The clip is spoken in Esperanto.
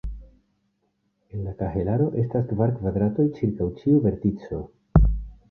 En la kahelaro estas kvar kvadratoj ĉirkaŭ ĉiu vertico.